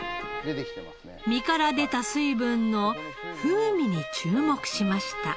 身から出た水分の風味に注目しました。